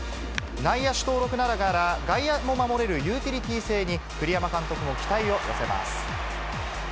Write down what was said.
内野手登録ながら、外野も守れるユーティリティー性に、栗山監督も期待を寄せます。